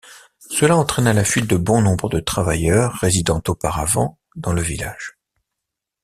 Cela entraina la fuite de bon nombre de travailleurs résidant auparavant dans le village.